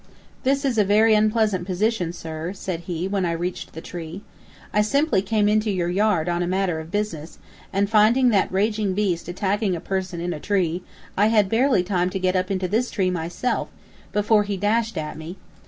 "This is a very unpleasant position, sir," said he, when I reached the tree. "I simply came into your yard, on a matter of business, and finding that raging beast attacking a person in a tree, I had barely time to get up into this tree myself, before he dashed at me.